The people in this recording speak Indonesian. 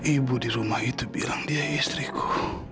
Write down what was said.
ibu di rumah itu bilang dia istriku